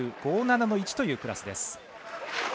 ＬＷ５／７‐１というクラスです。